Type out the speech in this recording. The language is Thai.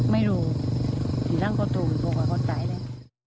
ไม่รู้สีร่างเขาโตอยู่ตรงกลางเขาตายเลย